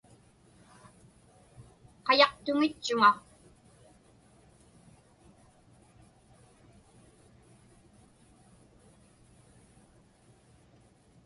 Qayaqtuŋitchuŋa.